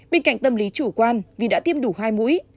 bên cạnh tâm lý chủ quan vì đã tiêm đủ hai mũi